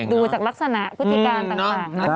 ดูจากลักษณะพฤติการต่าง